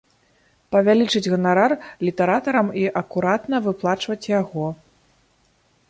Павялічыць ганарар літаратарам і акуратна выплачваць яго.